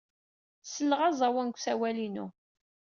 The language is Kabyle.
Sseleɣ aẓawan deg usawal-inu.